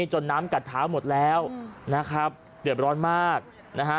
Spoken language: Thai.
จนน้ำกัดเท้าหมดแล้วนะครับเดือดร้อนมากนะฮะ